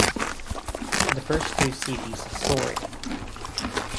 The first two series of Sorry!